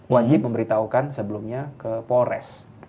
wajib memberitahukan sebelumnya ke polres